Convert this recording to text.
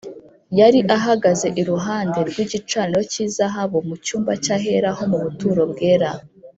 Yari ahagaze iruhande rw’igicaniro cy’izahabu mu cyumba cy’ahera ho mu buturo bwera.